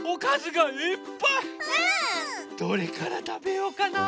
どれからたべようかな？